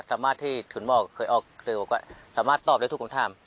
สามารถที่คุณหมอเคยออกเร็วก็สามารถตอบได้ทุกคำถาม